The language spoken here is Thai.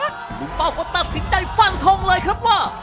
คุณเป้าก็ตัดสินใจฟันทงเลยครับว่า